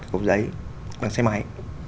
cục giấy bằng xe máy